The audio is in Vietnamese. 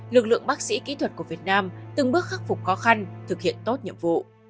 lực lượng bác sĩ kỹ thuật của việt nam từng bước khắc phục khó khăn thực hiện tốt nhiệm vụ